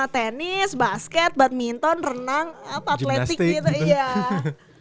tennis basket badminton renang apa atletik gitu